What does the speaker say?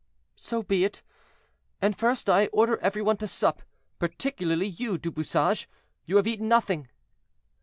"So be it; and, first, I order every one to sup, particularly you, Du Bouchage—you have eaten nothing."